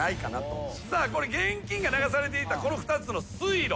現金が流されていたこの２つの水路。